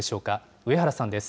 上原さんです。